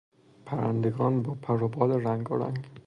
پرندگان با پر و بال رنگارنگ